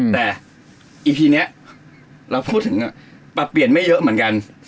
แต่อีพีนี้เราพูดถึงปรับเปลี่ยนไม่เยอะเหมือนกัน